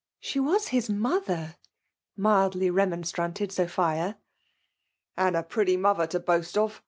9ie was' his mother,*' mildly remonstrated ISopMa. "And a pretty mother to boast of!